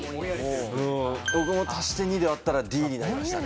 僕も足して２で割ったらＤになりましたね。